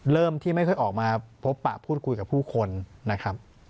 เริ่มที่ไม่ค่อยออกมาพบปะพูดคุยกับผู้คนนะครับ